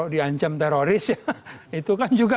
diancam teroris ya